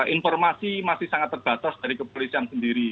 informasi masih sangat terbatas dari kepolisian sendiri